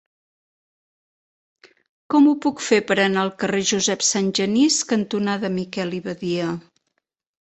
Com ho puc fer per anar al carrer Josep Sangenís cantonada Miquel i Badia?